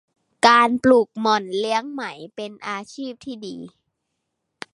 การปลูกหม่อนเลี้ยงไหม เป็นอาชีพที่ดี